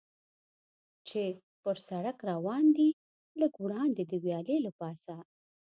چې پر سړک څه روان دي، لږ وړاندې د ویالې له پاسه.